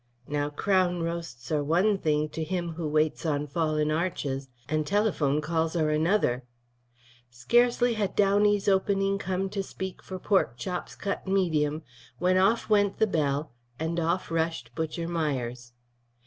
Now, crown roasts are one thing to him who waits on fallen arches, and telephone calls are another. Scarcely had Downey's opening come to speak for pork chops cut medium when off went the bell and off rushed Butcher Myers.